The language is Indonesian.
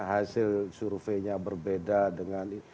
hasil surveinya berbeda dengan